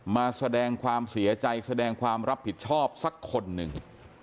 มาแสดงความเสียใจแสดงความรับผิดชอบสักคนหนึ่ง